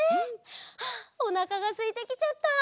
あおなかがすいてきちゃった。